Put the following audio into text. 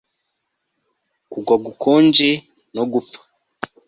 kugwa gukonje no gupfa